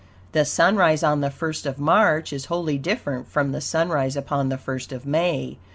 The sunrise on the first of March is wholly different from the sunrise upon the first of May.